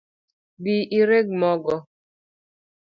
Dhi ireg mogo